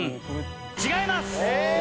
違います。